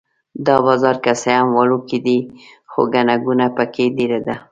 دا بازار که څه هم وړوکی دی خو ګڼه ګوڼه په کې ډېره ده.